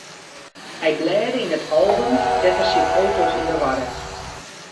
Hy blêde yn it album dêr't er syn foto's yn bewarre.